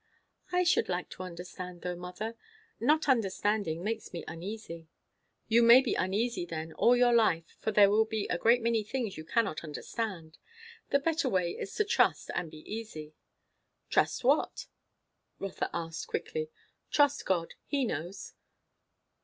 "I should like to understand, though, mother. Not understanding makes me uneasy." "You may be uneasy then all your life, for there will be a great many things you cannot understand. The better way is to trust and be easy." "Trust what?" Rotha asked quickly. "Trust God. He knows."